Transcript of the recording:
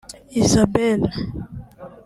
Isabel